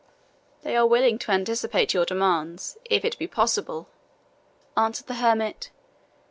"They are willing to anticipate your demands, if it be possible," answered the hermit.